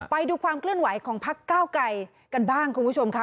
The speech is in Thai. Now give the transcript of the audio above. ไปดูความเคลื่อนไหวของพักเก้าไกรกันบ้างคุณผู้ชมค่ะ